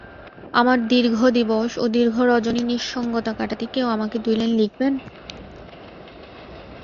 আমার দীর্ঘ দিবস ও দীর্ঘ রজনীর নিঃসঙ্গতা কাটাতে কেউ আমাকে দুই লাইন লিখবেন?